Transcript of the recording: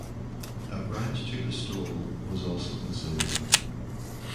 A branch to Listowel was also considered.